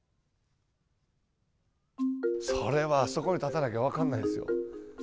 それはあそこに立たなきゃ分からないですよ。